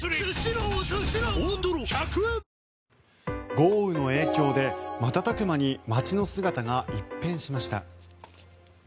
豪雨の影響で瞬く間に街の姿が一変しました。